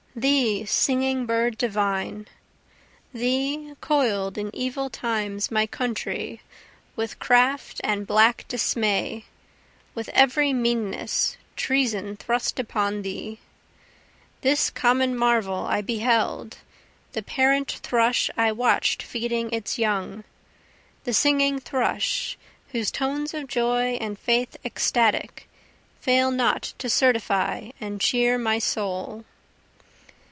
thee, singing bird divine! Thee coil'd in evil times my country, with craft and black dismay, with every meanness, treason thrust upon thee, This common marvel I beheld the parent thrush I watch'd feeding its young, The singing thrush whose tones of joy and faith ecstatic, Fail not to certify and cheer my soul.